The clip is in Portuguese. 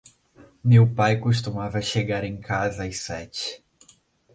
Meu pai costuma chegar em casa às sete.